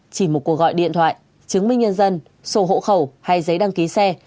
chỉ một cuộc gọi điện thoại chứng minh nhân dân sổ hộ khẩu hay giấy đăng ký xe